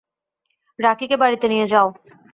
রাকিকে বাড়ি নিয়ে যাও।